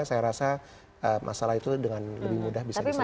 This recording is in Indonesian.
saya rasa masalah itu dengan lebih mudah bisa diselesa